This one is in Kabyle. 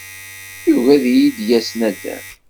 Yugi ad iyi-d-yas naddam.